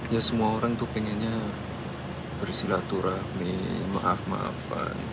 ya semua orang tuh pengennya bersilaturahmi maaf maafan